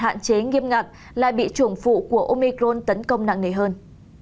hạn chế nghiêm ngặt lại bị chủng phụ của omicron tấn công nặng nề hơn